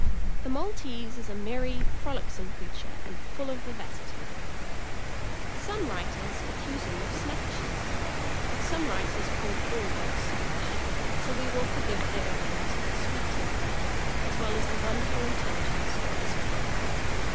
The Maltese is a merry, frolicsome creature, and full of vivacity. Some writers accuse him of snappishness; but some writers call all dogs snappish, so we will forgive their ignorance of the sweet temper, as well as the wonderful intelligence, of this breed.